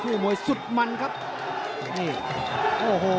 ฝ่ายทั้งเมืองนี้มันตีโต้หรืออีโต้